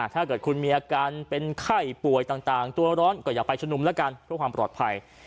ถ้าเกิดคุณมีอาการเป็นไข้ป่วยต่างตัวร้อนก็อย่าไปชุมนุมแล้วกันเพื่อความปลอดภัย